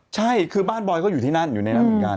ใช่คือบ้านบอยก็อยู่ที่นั่นอยู่ในนั้นเหมือนกัน